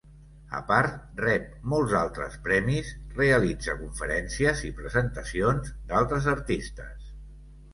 A part, rep molts altres premis, realitza conferències i presentacions d'altres artistes.